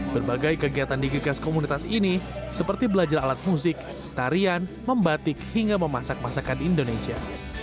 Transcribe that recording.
berbagai kegiatan digegas komunitas ini seperti belajar alat musik tarian membatik hingga memasak masakan indonesia